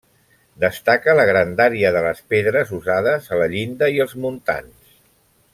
Destaca la grandària de les pedres usades a la llinda i els muntants.